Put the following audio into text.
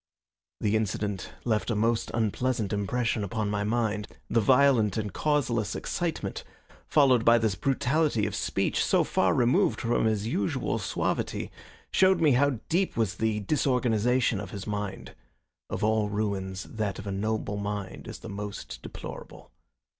The incident left a most unpleasant impression upon my mind. The violent and causeless excitement, followed by this brutality of speech, so far removed from his usual suavity, showed me how deep was the disorganization of his mind. Of all ruins, that of a noble mind is the most deplorable.